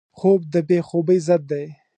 خوب د بې خوبۍ ضد دی